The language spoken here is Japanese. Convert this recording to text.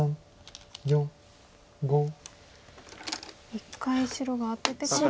１回白がアテてから。